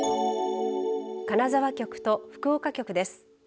金沢局と福岡局です。